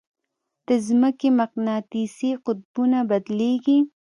د ځمکې مقناطیسي قطبونه بدلېږي.